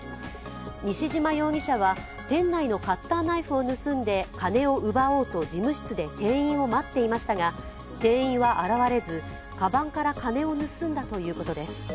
西嶋容疑者は店内のカッターナイフを盗んで金を奪おうと事務室で店員を待っていましたが店員は現れず、かばんから金を盗んだということです。